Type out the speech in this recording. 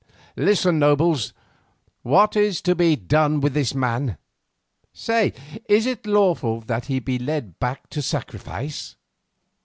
Listen, nobles. What is to be done with this man? Say, is it lawful that he be led back to sacrifice?"